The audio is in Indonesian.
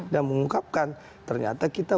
dan mengungkapkan ternyata kita